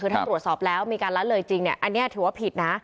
คือถ้าตรวจสอบแล้วมีการละเลยจริงเนี่ยอันนี้ถือว่าผิดนะ